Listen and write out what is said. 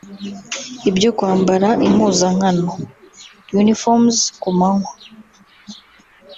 Ibyo kwambara impuzankano (Uniforms) ku manywa